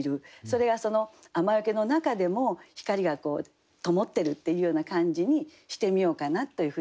それがその雨よけの中でも光が灯ってるっていうような感じにしてみようかなというふうに思いまして。